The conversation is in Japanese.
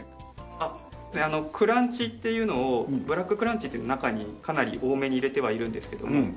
あっクランチっていうのをブラッククランチっていうのを中にかなり多めに入れてはいるんですけども。